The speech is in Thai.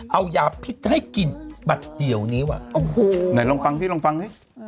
เอายาพิษให้กินบัตรเดียวนี้ว่ะโอ้โหไหนลองฟังสิลองฟังสิ